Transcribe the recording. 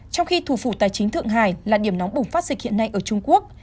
trong khi thủ phủ tài chính thượng hải là điểm nóng bùng phát dịch hiện nay ở trung quốc